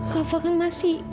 kava kan masih